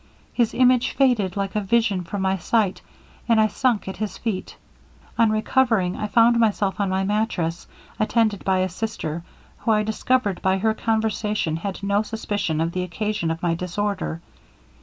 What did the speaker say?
His image faded like a vision from my sight, and I sunk at his feet. On recovering I found myself on my matrass, attended by a sister, who I discovered by her conversation had no suspicion of the occasion of my disorder.